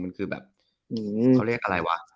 มันคือแบบเขาเรียกอะไรวะ